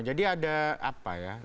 jadi ada apa ya